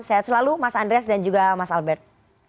sehat selalu mas andreas dan juga mas albert